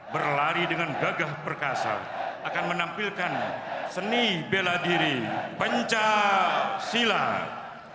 berlari dengan gagah perkasa akan menampilkan seni bela diri penca silat